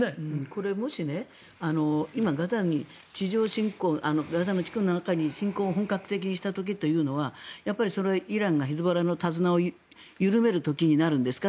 これ、もし今ガザに地上侵攻ガザ地区の中に侵攻を本格的にした時というのはそれはイランがヒズボラの手綱を緩める時になるんですか。